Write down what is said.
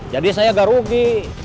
jadi saya gak rugi